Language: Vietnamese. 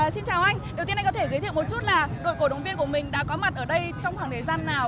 xin chào anh đầu tiên anh có thể giới thiệu một chút là đội cổ động viên của mình đã có mặt ở đây trong khoảng thời gian nào